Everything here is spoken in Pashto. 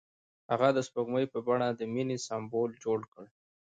هغه د سپوږمۍ په بڼه د مینې سمبول جوړ کړ.